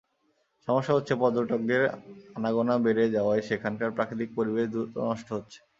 সমস্যা হচ্ছে, পর্যটকদের আনাগোনা বেড়ে যাওয়ায় সেখানকার প্রাকৃতিক পরিবেশ দ্রুত নষ্ট হচ্ছে।